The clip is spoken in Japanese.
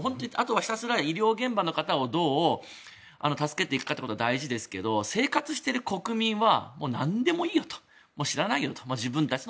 そうなるとひたすら医療現場の人をどう助けていくかが大事ですが生活している国民はもうなんでもいいよと知らないよと。